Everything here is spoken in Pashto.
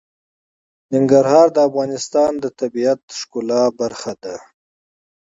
ننګرهار د افغانستان د طبیعت د ښکلا برخه ده.